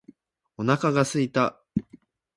お腹が空いた。